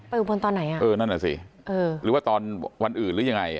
อุบลตอนไหนอ่ะเออนั่นแหละสิเออหรือว่าตอนวันอื่นหรือยังไง